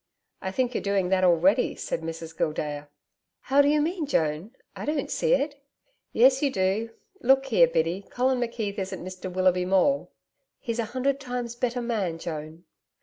'I think you're doing that already,' said Mrs. Gildea. 'How do you mean, Joan? I don't see it.' 'Yes, you do. Look here, Biddy. Colin McKeith isn't Mr Willoughby Maule.' 'He's a hundred times better man, Joan.'